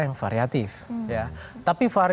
yang variatif tapi